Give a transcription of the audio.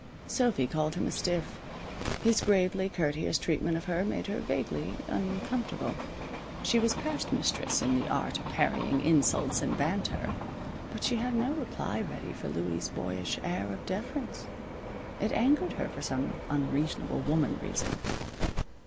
Sophy called him a stiff. His gravely courteous treatment of her made her vaguely uncomfortable. She was past mistress in the art of parrying insults and banter, but she had no reply ready for Louie's boyish air of deference. It angered her for some unreasonable woman reason.